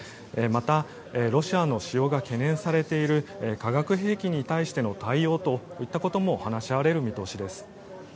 また、ロシアの使用が懸念されている化学兵器に対しての対応といったことも話し合われる見通しです。